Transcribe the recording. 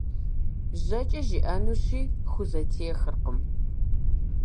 Жьэкӏэ жиӏэнущи, хузэтехыркъым.